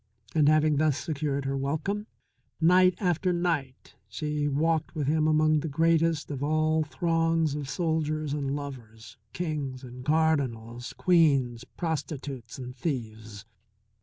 And, having thus secured her welcome, night after night she walked with him among that greatest of all throngs of soldiers and lovers, kings and cardinals, queens, prostitutes and thieves.